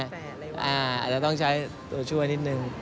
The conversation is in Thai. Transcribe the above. อาจจะต้องใช้ตัวช่วยนิดนึง